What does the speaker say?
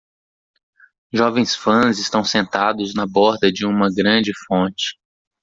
Jovens fãs estão sentados na borda de uma grande fonte.